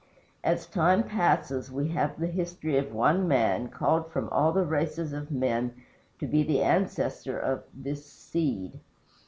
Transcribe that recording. As time passes we have the history of one man, called from all the races of men to be the ancestor of this SEED.